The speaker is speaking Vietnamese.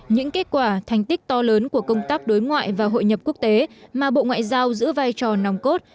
những kết quả thành tích to lớn của công tác đối ngoại và hội nhập quốc tế mà bộ ngoại giao giữ vai trò nòng cốt